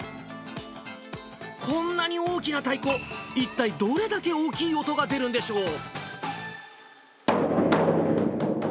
こんなに大きな太鼓、一体どれだけ大きい音が出るんでしょう。